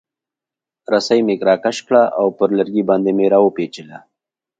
رسۍ مې راکش کړه او پر لرګي باندې مې را وپیچله.